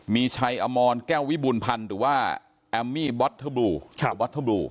มีชัยอมรแก้ววิบุลพันธุ์หรือว่าแอมมี่บอสเทอร์บลู